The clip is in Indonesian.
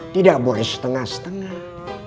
tidak boleh setengah setengah